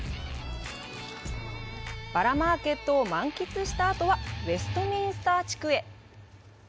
バラマーケットを満喫したあとは「ウェストミンスター地区」へ。